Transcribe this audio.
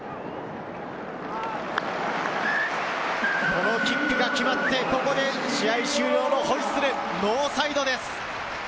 このキックが決まって、試合終了のホイッスル、ノーサイドです。